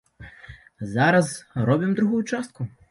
Зараз робім другую частку.